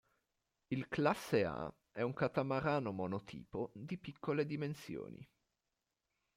Il Classe A è un catamarano monotipo di piccole dimensioni.